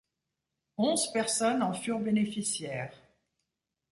Onze personnes en furent bénéficiaires.